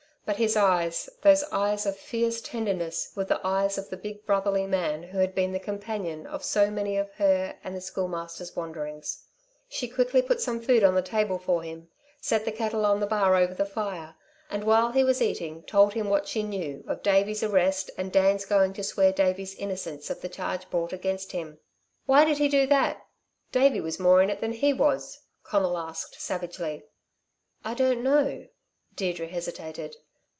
But his eyes, those eyes of fierce tenderness, were the eyes of the big brotherly man who had been the companion of so many of her and the Schoolmaster's wanderings. She quickly put some food on the table for him, set the kettle on the bar over the fire, and while he was eating told him what she knew of Davey's arrest and Dan's going to swear Davey's innocence of the charge brought against him. "Why did he do that? Davey was more in it than he was," Conal asked savagely. "I don't know," Deirdre hesitated.